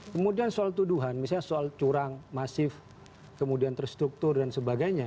kemudian soal tuduhan misalnya soal curang masif kemudian terstruktur dan sebagainya